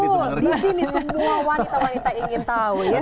betul disini semua wanita wanita ingin tahu ya